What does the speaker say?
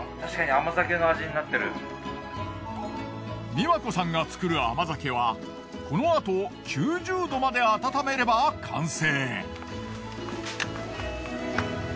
美和子さんが作る甘酒はこのあと９０℃まで温めれば完成。